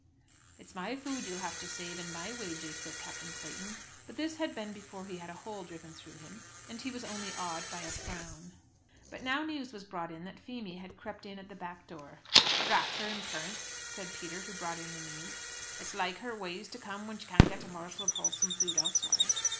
"It's my food you'll have to save, and my wages," said Captain Clayton. But this had been before he had a hole driven through him, and he was only awed by a frown. But now news was brought in that Feemy had crept in at the back door. "Drat her imperence," said Peter, who brought in the news. "It's like her ways to come when she can't get a morsel of wholesome food elsewhere."